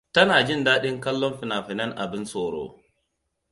Tana jin dadin kallon finafinan abin tsoro.